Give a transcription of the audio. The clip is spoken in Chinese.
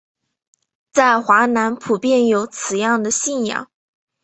在华南普遍有此样的信仰。